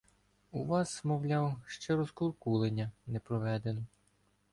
У вас, мовляв, ще "розкуркулення" не проведено.